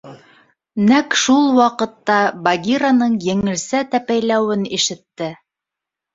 Нәҡ шул саҡта Багираның еңелсә тәпәйләүен ишетте.